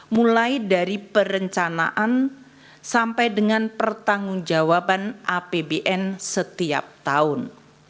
mulai dari perencanaan sampai dengan pertanggung jawaban apbn setiap tahun